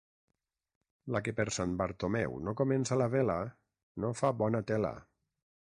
La que per Sant Bartomeu no comença la vela, no fa bona tela.